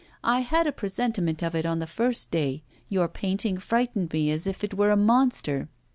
I had a presentiment of it on the first day; your painting frightened me as if it were a monster.